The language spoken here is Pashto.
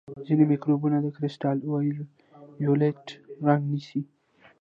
ځینې مکروبونه د کرسټل وایولېټ رنګ نیسي.